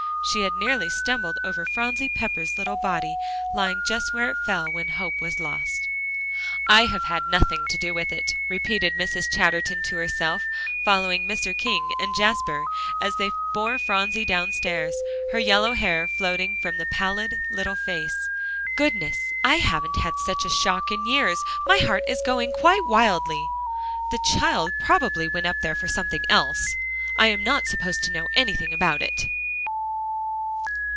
She had nearly stumbled over Phronsie Pepper's little body, lying just where it fell when hope was lost. "I have had nothing to do with it," repeated Mrs. Chatterton to herself, following Mr. King and Jasper as they bore Phronsie downstairs, her yellow hair floating from the pallid little face. "Goodness! I haven't had such a shock in years. My heart is going quite wildly. The child probably went up there for something else; I am not supposed to know anything about it."